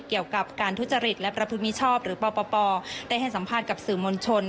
เกี่ยวกับการทุจริตและประพฤติมิชอบหรือปปได้ให้สัมภาษณ์กับสื่อมวลชน